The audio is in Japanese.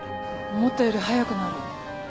思ったより早くなる。